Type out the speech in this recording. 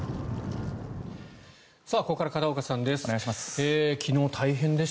ここから片岡さんです。